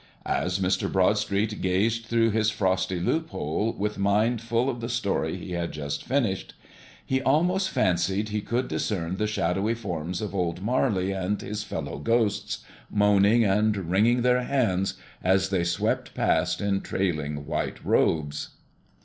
As Mr. Broadstreet gazed through his frosty loophole, with mind full of the story he had just finished, he almost fancied he could discern the shadowy forms of old Marley and his fellow ghosts moaning and wringing their hands as they swept past in trailing white robes.